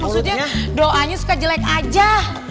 maksudnya doanya suka jelek aja